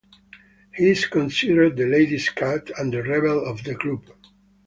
He is considered the ladies' cat and the rebel of the group.